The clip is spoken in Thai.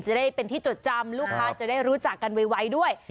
จะได้เป็นที่จดจำลูกค้าจะได้รู้จักกันไวด้วย